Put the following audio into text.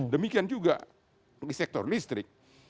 demikian juga di sektor listrik